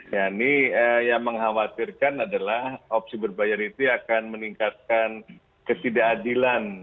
yang mengkhawatirkan adalah opsi berbayar itu akan meningkatkan ketidakadilan